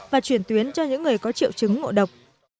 và chuyển tuyến cho những người có triệu chứng ngộ độc